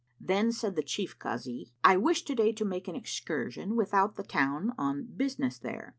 Then said the Chief Kazi, "I wish to day to make an excursion without the town on business there."